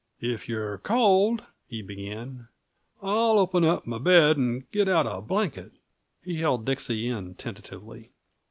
"If you're cold," he began, "I'll open up my bed and get out a blanket." He held Dixie in tentatively.